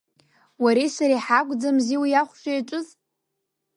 Уареи сареи ҳакәӡамзи уи ахәша иаҿыз?!